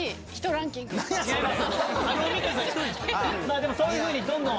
でもそういうふうにどんどん。